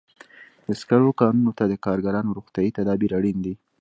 د سکرو کانونو ته د کارګرانو روغتیايي تدابیر اړین دي.